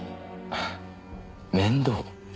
面倒？